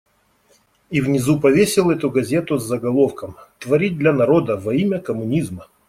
И внизу повесил эту газету с заголовком: «Творить для народа, во имя коммунизма».